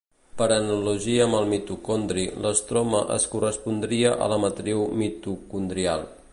Per analogia amb el mitocondri l'estroma es correspondria a la matriu mitocondrial.